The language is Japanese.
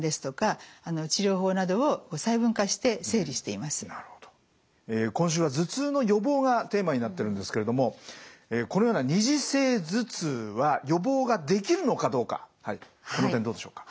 二次性頭痛だけでもとても原因が多いので今週は「頭痛の予防」がテーマになってるんですけれどもこのような二次性頭痛は予防ができるのかどうかはいこの点どうでしょうか？